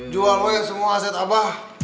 jual aja semua aset abah